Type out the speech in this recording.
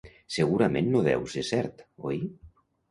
Segurament no deu ser cert, oi?